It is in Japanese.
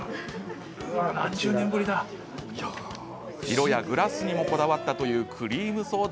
色やグラスにもこだわったというクリームソーダ。